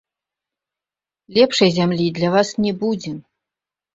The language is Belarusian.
Лепшай зямлі для вас не будзе.